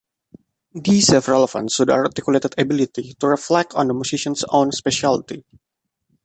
These have relevance to the articulated ability to reflect on the musician's own speciality.